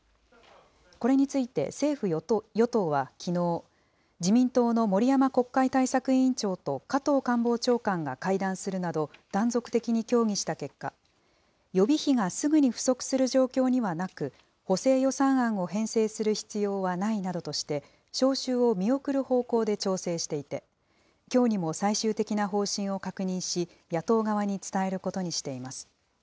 これについて、政府・与党はきのう、自民党の森山国会対策委員長と加藤官房長官が会談するなど、断続的に協議した結果、予備費がすぐに不足する状況にはなく、補正予算案を編成する必要はないなどとして、召集を見送る方向で調整していて、きょうにも最終的な方針を確認し、野党側に伝えることにしています。